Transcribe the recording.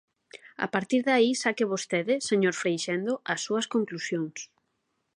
A partir de aí saque vostede, señor Freixendo, as súas conclusións.